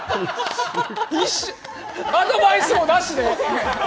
アドバイスもなしで！？